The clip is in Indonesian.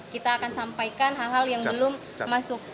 kita akan sampaikan hal hal yang belum masuk